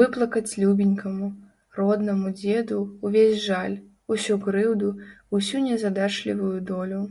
Выплакаць любенькаму, роднаму дзеду ўвесь жаль, усю крыўду, усю незадачлівую долю.